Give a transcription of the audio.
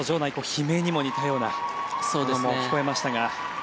悲鳴にも似たような声も聞こえましたが。